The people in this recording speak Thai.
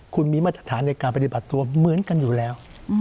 คุณมีมาตรฐานในการปฏิบัติตัวเหมือนกันอยู่แล้ว